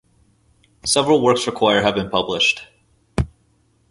Several works for choir have been published.